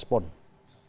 kelambanan di dalam respon